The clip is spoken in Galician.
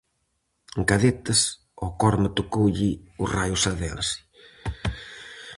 En cadetes, ao Corme tocoulle o raio sadense.